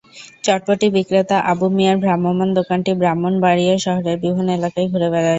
চটপটি বিক্রেতা আবু মিয়ার ভ্রাম্যমাণ দোকানটি ব্রাহ্মণবাড়িয়া শহরের বিভিন্ন এলাকায় ঘুরে বেড়ায়।